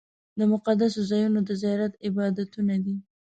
د مقدسو ځایونو د زیارت عبادتونه دي.